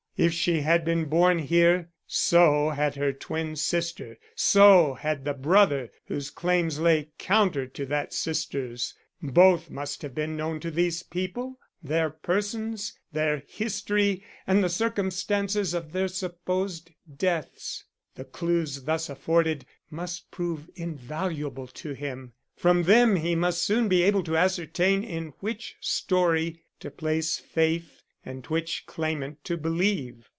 If she had been born here, so had her twin sister; so had the brother whose claims lay counter to that sister's. Both must have been known to these people, their persons, their history and the circumstances of their supposed deaths. The clews thus afforded must prove invaluable to him. From them he must soon be able to ascertain in which story to place faith and which claimant to believe.